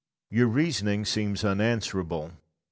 Your reasoning seems unanswerable.